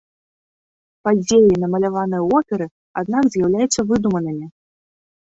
Падзеі, намаляваныя ў оперы, аднак з'яўляюцца выдуманымі.